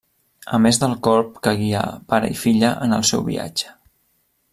A més del corb que guia pare i filla en el seu viatge.